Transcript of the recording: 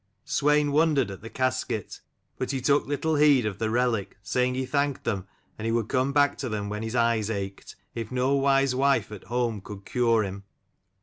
Swein wondered at the casket, but he took little heed of the relic, saying he thanked them, and he would come back to them when his eyes ached, if no wise wife at home could cure him.